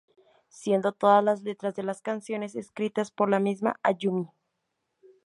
Siendo todas las letras de las canciones escritas por la misma Ayumi.